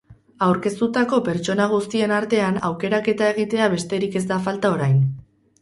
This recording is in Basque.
Aurkeztutako pertsona guztien artean aukeraketa egitea besterik ez da falta orain.